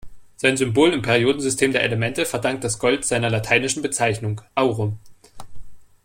Sein Symbol im Periodensystem der Elemente verdankt das Gold seiner lateinischen Bezeichnung, aurum.